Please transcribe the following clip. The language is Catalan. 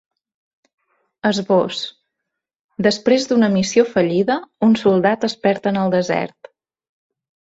Esbós: Després d’una missió fallida, un soldat es perd en el desert.